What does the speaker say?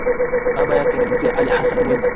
Baba yake ni Mzee Ali Hassan Mwinyi